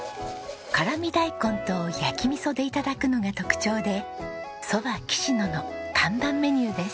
辛味大根と焼き味噌で頂くのが特徴で蕎麦きし野の看板メニューです。